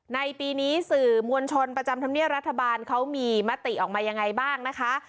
ในปีนี้สื่อมวลชนประจำธรรมเนียบรัฐบาลเขามีมติออกมายังไงบ้างนะคะ